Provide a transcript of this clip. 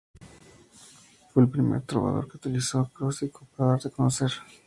Fue el primer trovador que utilizó el acróstico para darse a conocer.